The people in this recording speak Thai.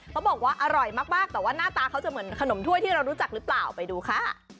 เขาบอกว่าอร่อยมากแต่ว่าหน้าตาเขาจะเหมือนขนมถ้วยที่เรารู้จักหรือเปล่าไปดูค่ะ